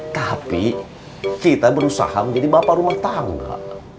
tapi kita berusaha menjadi bapak rumah tangga